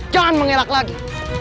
jangan mengelak lagi